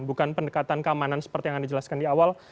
bukan pendekatan keamanan seperti yang anda jelaskan di awal